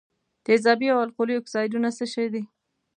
تیزابي او القلي اکسایدونه څه شی دي؟